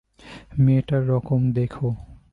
মেয়েটার রকম দেখো।